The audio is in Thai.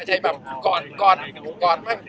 ใช้ก่อนก่อนมั่ง